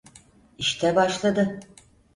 İşte başladı.